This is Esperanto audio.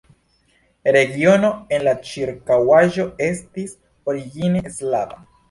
Regiono en la ĉirkaŭaĵo estis origine slava.